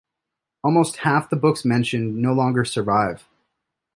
Almost half the books mentioned no longer survive.